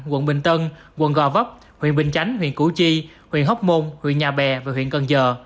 quận bình tân quận gò vấp huyện bình chánh huyện củ chi huyện hóc môn huyện nhà bè và huyện cần giờ